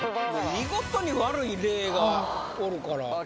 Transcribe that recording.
見事に悪い例がおるからあっ